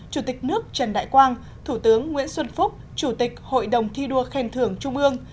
chủ tịch nước trần đại quang thủ tướng nguyễn xuân phúc chủ tịch hội đồng thi đua khen thưởng trung ương